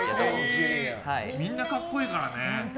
みんな格好いいからね。